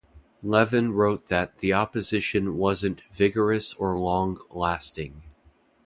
Levin wrote that "the opposition wasn't vigorous or long-lasting".